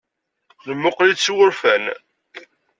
Nemmuqqel-itt s wurfan.